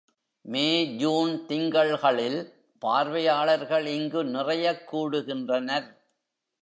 மே, ஜூன் திங்கள்களில் பார்வையாளர்கள் இங்கு நிறையக் கூடுகின்றனர்.